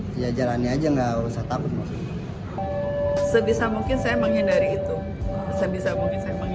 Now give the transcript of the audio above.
sejajarannya aja nggak usah takut sebisa mungkin saya menghindari itu sebisa mungkin saya menghindari